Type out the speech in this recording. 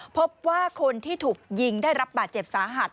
พบว่าคนที่ถูกยิงได้รับบาดเจ็บสาหัส